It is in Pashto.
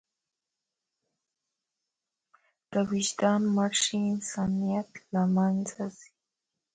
که وجدان مړ شي، انسانیت له منځه ځي.